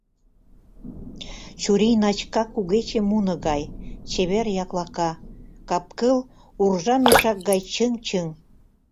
Чурий начка Кугече муно гай — чевер-яклака, капкыл — уржа мешак гай чыҥ-чыҥ.